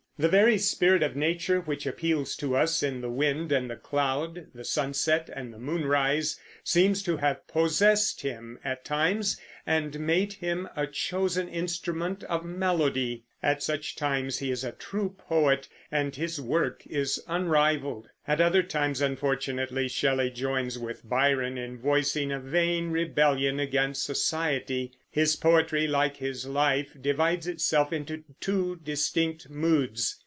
The very spirit of nature, which appeals to us in the wind and the cloud, the sunset and the moonrise, seems to have possessed him, at times, and made him a chosen instrument of melody. At such times he is a true poet, and his work is unrivaled. At other times, unfortunately, Shelley joins with Byron in voicing a vain rebellion against society. His poetry, like his life, divides itself into two distinct moods.